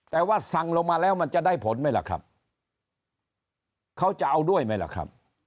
แต่ว่าสั่งลงมาแล้วมันจะได้ผลไหมล่ะครับเขาจะเอาด้วยไหมล่ะครับ